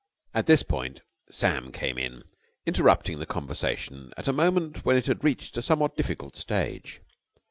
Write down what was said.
At this point Sam came in, interrupting the conversation at a moment when it had reached a somewhat difficult stage.